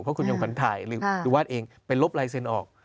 เพราะคุณจำขวัญถ่ายหรือวาดเองไปลบลายเซ็นต์ออก